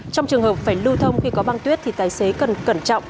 trong trường hợp phải lưu thông khi có băng tuyết thì tài xế cần cẩn trọng